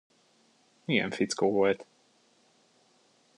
Ilyen fickó volt.